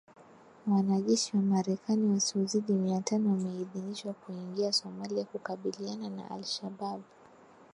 Wanajeshi wa Marekani wasiozidi mia tano wameidhinishwa kuingia Somalia kukabiliana na Al Shabaab